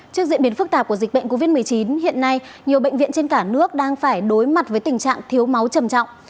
trước diễn biến phức tạp của dịch bệnh covid một mươi chín hiện nay nhiều bệnh viện trên cả nước đang phải đối mặt với tình trạng thiếu máu trầm trọng